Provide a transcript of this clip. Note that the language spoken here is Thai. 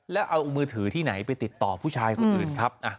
แล้วเอามือถือที่ไหนไปติดต่อผู้ชายคนอื่นครับ